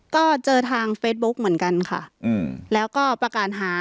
ก็เจอทางเฟซบุ๊กเหมือนกันค่ะอืมแล้วก็ประกาศหา